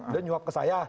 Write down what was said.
dia nyuap ke saya